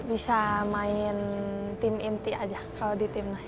bisa main tim inti aja kalau di timnas